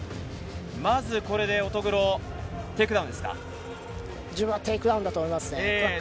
まずこれで乙黒、テイクダウンですか？